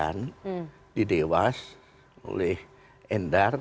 yang didewas oleh endar